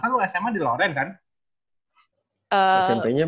kan lo sma di loren kan